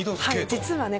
実はね